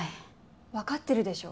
わかってるでしょ！？